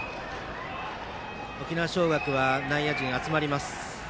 沖縄尚学、内野陣が集まります。